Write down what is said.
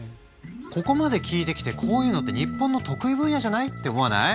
ここまで聞いてきてこういうのって日本の得意分野じゃない？って思わない？